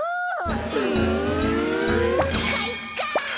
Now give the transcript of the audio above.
うんかいか！